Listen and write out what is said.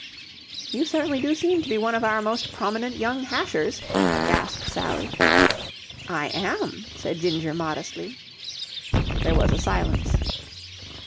"You certainly do seem to be one of our most prominent young hashers!" gasped Sally. "I am," said Ginger, modestly. There was a silence.